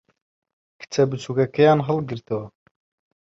کچە بچووکەکەیان ھەڵگرتەوە.